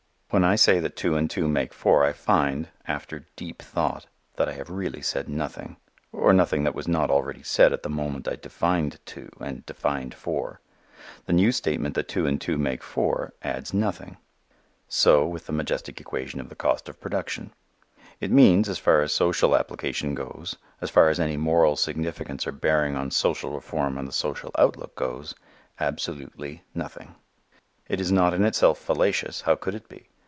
When I say that two and two make four I find, after deep thought, that I have really said nothing, or nothing that was not already said at the moment I defined two and defined four. The new statement that two and two make four adds nothing. So with the majestic equation of the cost of production. It means, as far as social application goes, as far as any moral significance or bearing on social reform and the social outlook goes, absolutely nothing. It is not in itself fallacious; how could it be?